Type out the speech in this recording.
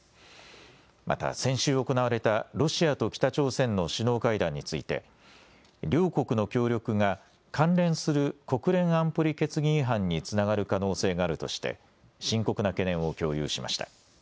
また先週行われたロシアと北朝鮮の首脳会談について両国の協力が関連する国連安保理決議違反につながる可能性があるとして深刻な懸念を共有しました。